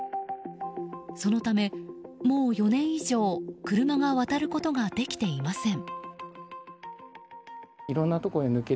そのため、もう４年以上車が渡ることができていません。